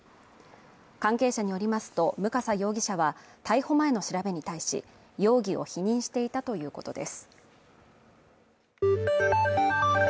関係者によりますと、武笠容疑者は逮捕前の調べに対し容疑を否認していたということです。